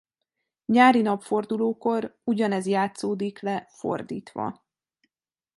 Nyári napfordulókor ugyanez játszódik le fordítva.